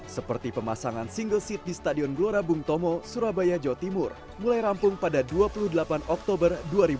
seperti pemasangan single seat di stadion gelora bung tomo surabaya jawa timur mulai rampung pada dua puluh delapan oktober dua ribu dua puluh